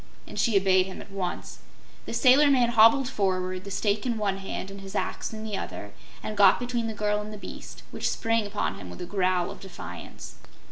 and she obeyed him at once. The sailor man hobbled forward, the stake in one hand and his axe in the other, and got between the girl and the beast, which sprang upon him with a growl of defiance.